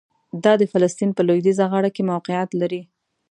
دا د فلسطین په لویدیځه غاړه کې موقعیت لري.